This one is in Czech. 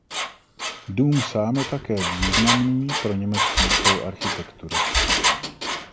Dům sám je také významný pro německý styl architektury.